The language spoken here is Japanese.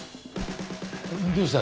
どうした？